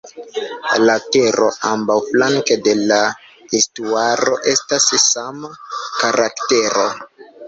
La tero ambaŭflanke de la estuaro estas de sama karaktero.